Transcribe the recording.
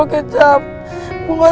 kita gak lewat